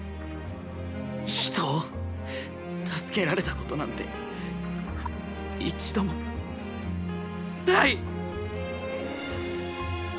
人を助けられたことなんて一度もない！